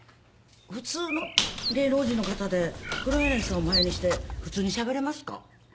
普通の芸能人の方で黒柳さんを前にして普通にしゃべれますか？